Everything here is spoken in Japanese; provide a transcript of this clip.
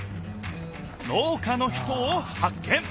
農家の人をはっ見！